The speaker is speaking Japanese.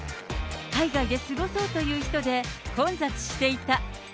海外で過ごそうという人で混雑していた。